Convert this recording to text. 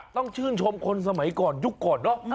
ต้องชื่นชมคนสมัยก่อนยุคก่อนเนอะ